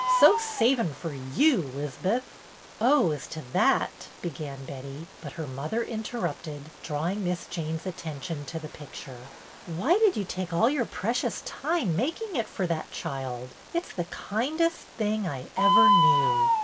So savin' i&x yoti, 'Liz'beth!" " Oh, as to that —" began Betty, but her mother interrupted, drawing Miss Jane's attention to the picture. " Why did you take all your precious time making it for that child.? It's the kindest thing I ever knew."